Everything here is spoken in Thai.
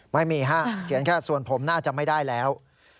ไม่มีฮะเขียนแค่ส่วนผมน่าจะไม่ได้แล้ว